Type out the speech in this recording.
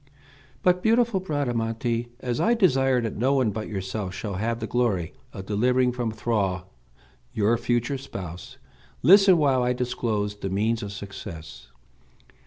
But, beautiful Bradamante, as I desire that no one but yourself shall have the glory of delivering from thraldom your future spouse, listen while I disclose the means of success.